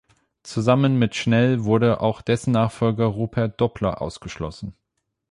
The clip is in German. Zusammen mit Schnell wurde auch dessen Nachfolger Rupert Doppler ausgeschlossen.